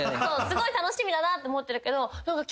すごい楽しみだなと思ってるけど何か。